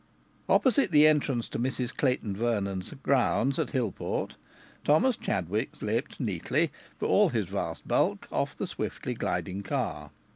Opposite the entrance to Mrs Clayton Vernon's grounds at Hillport Thomas Chadwick slipped neatly, for all his vast bulk, off the swiftly gliding car.